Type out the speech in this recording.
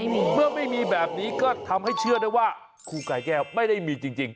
เมื่อไม่มีแบบนี้ก็ทำให้เชื่อได้ว่าครูกายแก้วไม่ได้มีจริง